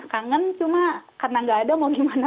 kangen cuma karena nggak ada mau gimana